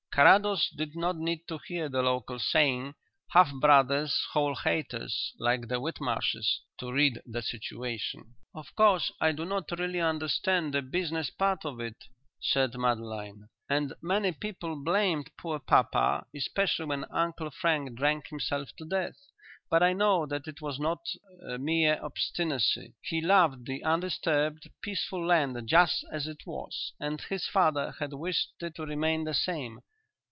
Carrados did not need to hear the local saying: "Half brothers: whole haters; like the Whitmarshes," to read the situation. "Of course I do not really understand the business part of it," said Madeline, "and many people blamed poor papa, especially when Uncle Frank drank himself to death. But I know that it was not mere obstinacy. He loved the undisturbed, peaceful land just as it was, and his father had wished it to remain the same.